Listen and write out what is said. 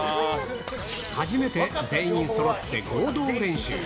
初めて全員そろって合同練習。